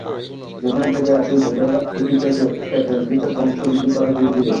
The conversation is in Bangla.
যেখান থেকেই আসুক, এটি পেটের ভেতর বংশ বৃদ্ধি করে ধীরে ধীরে।